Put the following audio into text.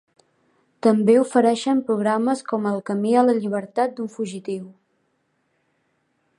També ofereixen programes com "El camí a la llibertat d'un fugitiu".